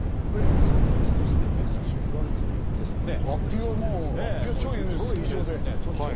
リゾート地として皆さん、ご存知ですよね。